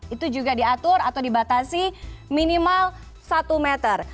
itu juga diatur atau dibatasi minimal satu meter